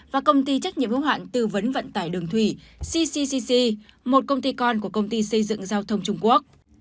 và công ty trách nhiệm hữu hạn tư vấn vận tải đường thủy cccc một công ty con của công ty xây dựng giao thông trung quốc